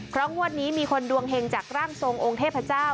เพราะงวดนี้มีคนดวงเห็งจากร่างทรงองค์เทพเจ้า